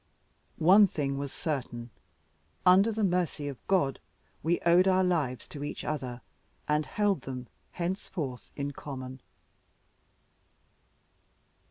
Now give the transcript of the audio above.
One thing was certain under the mercy of God, we owed our lives to each other, and held them henceforth in common.